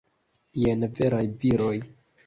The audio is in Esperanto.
Jen veraj viroj!